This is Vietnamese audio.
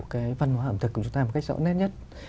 cái văn hóa ẩm thực của chúng ta một cách rõ nét nhất